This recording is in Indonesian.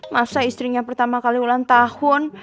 masa istrinya pertama kali ulang tahun